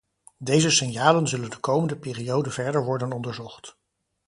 Deze signalen zullen de komende periode verder worden onderzocht.